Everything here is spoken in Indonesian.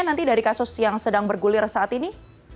nanti dari kasus yang sedang bergulir saat ini